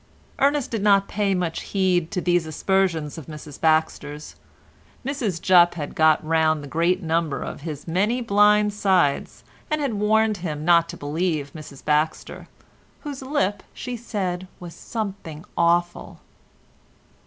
Ernest did not pay much heed to these aspersions of Mrs Baxter's. Mrs Jupp had got round the greater number of his many blind sides, and had warned him not to believe Mrs Baxter, whose lip she said was something awful.